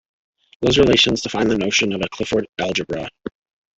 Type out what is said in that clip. Those relations define the notion of a Clifford algebra.